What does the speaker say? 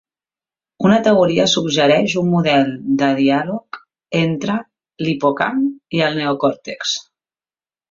Una teoria suggereix un model de dialog entre l'Hipocamp i el neocòrtex.